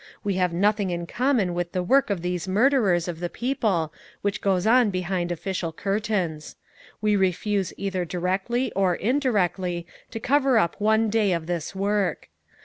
We have nothing in common with the work of these Murderers of the People which goes on behind official curtains. We refuse either directly or indirectly to cover up one day of this work.